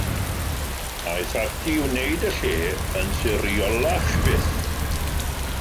Aeth ati i wneud y lle yn siriolach fyth.